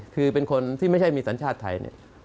คือเป็นคนที่ไม่ใช่มีสัญชาติไทยเนี่ย